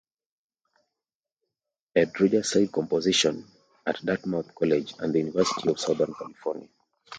Ed Rogers studied composition at Dartmouth College and the University of Southern California.